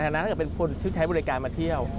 แต่ในทางนั้นถ้าเป็นคนใช้บริการมาเที่ยว